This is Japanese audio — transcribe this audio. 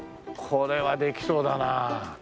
これはできそうだな。